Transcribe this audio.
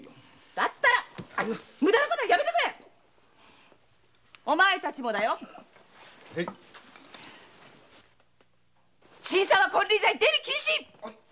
だったら無駄な事やめとくれ‼お前たちもだよ！・新さんは出入り禁止‼